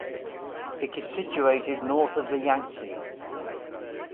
It is situated north of the Yangtze.